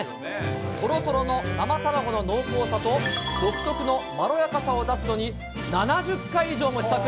とろとろの生卵の濃厚さと、独特のまろやかさを出すのに、７０回以上も試作。